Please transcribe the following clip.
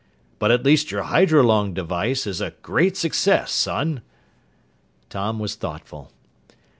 "But at least your hydrolung device is a great success, son!" Tom was thoughtful.